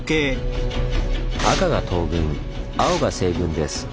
赤が東軍青が西軍です。